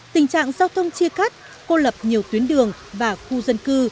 tình trạng giao thông chia cắt cô lập nhiều tuyến đường và khu dân cư